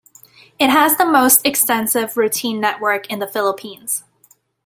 It has the most extensive route network in the Philippines.